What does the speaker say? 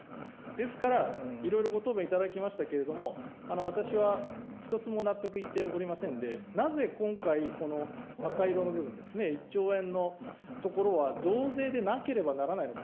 ですから、いろいろご答弁いただきましたけれども、私は一つも納得いっておりませんで、なぜ今回、この赤色の部分ですね、１兆円のところは増税でなければならないのか。